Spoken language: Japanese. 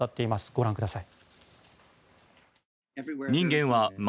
ご覧ください。